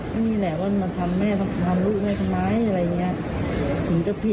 ไม่มีแหละว่ามาทำแม่ทำลูกแม่ทำไมอะไรอย่างนี้